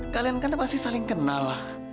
kalian kan pasti saling kenal